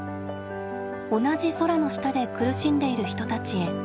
同じ空の下で苦しんでいる人たちへ。